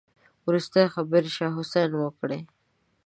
وروستۍ خبرې شاه حسين وکړې.